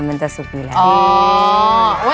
มันจะสุกอย่างนี้